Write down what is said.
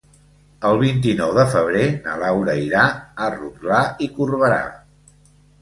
El vint-i-nou de febrer na Laura irà a Rotglà i Corberà.